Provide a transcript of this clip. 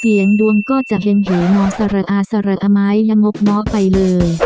เดี๋ยงดวงก็จะเห็นเหนอสระอาสระไม้ยังมบม้อไปเลย